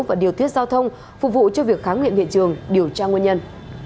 và điều thiết giao thông phục vụ cho việc kháng nghiệm hiện trường điều tra nguyên nhân